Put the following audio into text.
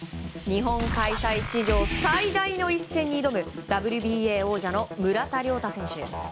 日本開催史上最大の一戦に挑むＷＢＡ王者の村田諒太選手。